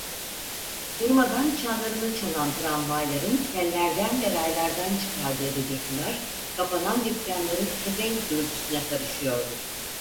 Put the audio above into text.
Durmadan çanlarını çalan tramvayların tellerden ve raylardan çıkardığı gıcırtılar, kapanan dükkanların kepenk gürültüsüne karışıyordu.